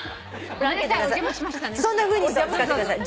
そんなふうに使ってください。